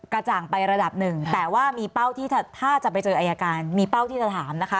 จ่างไประดับหนึ่งแต่ว่ามีเป้าที่ถ้าจะไปเจออายการมีเป้าที่จะถามนะคะ